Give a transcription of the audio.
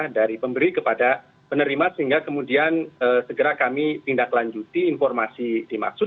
dari pemberi kepada penerima sehingga kemudian segera kami tindak lanjuti informasi dimaksud